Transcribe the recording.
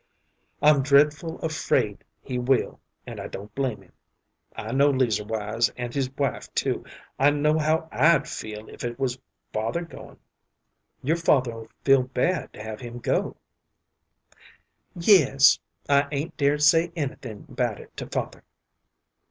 "I'm dreadful afraid he will, and I don't blame him. I know 'Leazer Wise, and his wife, too. I know how I'd feel if it was father goin'." "Your father 'll feel bad to have him go." "Yes; I 'ain't dared say anything about it to father."